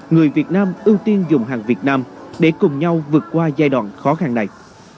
người việt nam ưu tiên dùng hàng việt nam để cùng nhau vượt qua giai đoạn khó khăn này